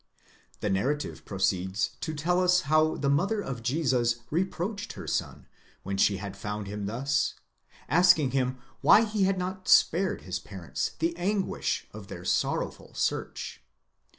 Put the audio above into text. The narrative proceeds to tell us how the mother of Jesus reproached her son when she had found him thus, asking him why he had not spared his parents the anguish of their sorrowful search?